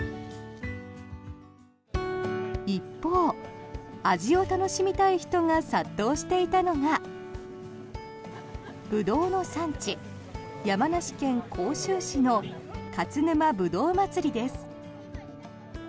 一方、味を楽しみたい人が殺到していたのがブドウの産地、山梨県甲州市のかつぬまぶどうまつりです。